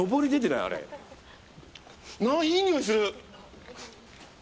いいにおいする！